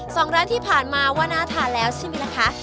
สองร้านที่ผ่านมาว่าน่าทานแล้วใช่ไหมล่ะคะ